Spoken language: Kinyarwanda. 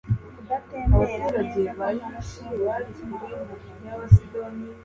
Kudatembera neza kw'amaraso mu gitsina cy'umugabo